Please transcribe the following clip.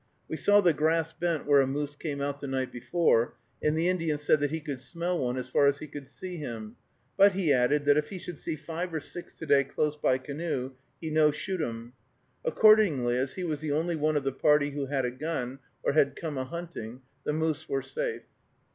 We saw the grass bent where a moose came out the night before, and the Indian said that he could smell one as far as he could see him; but, he added, that if he should see five or six to day close by canoe, he no shoot 'em. Accordingly, as he was the only one of the party who had a gun, or had come a hunting, the moose were safe.